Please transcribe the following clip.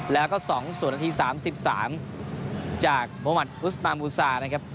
แล้วก็๒ส่วนนาที๓๓จากโมมัติอุสมามูซานะครับ